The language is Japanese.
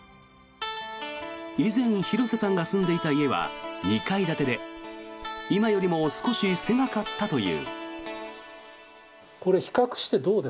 以前、広瀬さんが住んでいた家は２階建てで今よりも少し狭かったという。